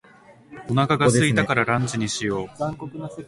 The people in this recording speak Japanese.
お腹が空いたからランチにしよう。